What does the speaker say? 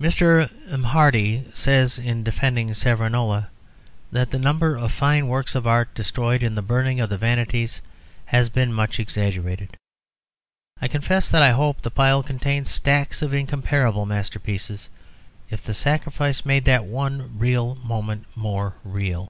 Mr. M'Hardy says, in defending Savonarola, that the number of fine works of art destroyed in the Burning of the Vanities has been much exaggerated. I confess that I hope the pile contained stacks of incomparable masterpieces if the sacrifice made that one real moment more real.